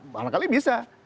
malah kali bisa